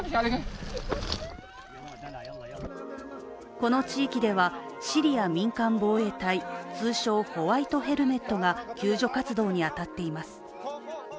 この地域では、シリア民間防衛隊通称・ホワイトヘルメットが救助活動に当たっています。